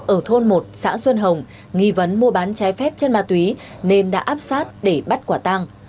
ở thôn một xã xuân hồng nghi vấn mua bán trái phép chân ma túy nên đã áp sát để bắt quả tăng